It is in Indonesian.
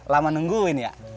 lama nungguin ya